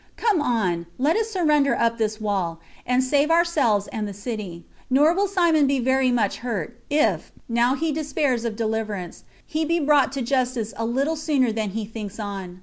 Come on, let us surrender up this wall, and save ourselves and the city. Nor will Simon be very much hurt, if, now he despairs of deliverance, he be brought to justice a little sooner than he thinks on."